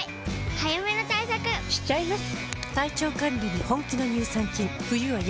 早めの対策しちゃいます。